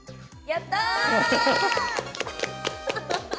やった！